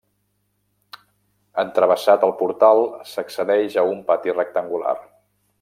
Entravessat el portal s'accedeix a un pati rectangular.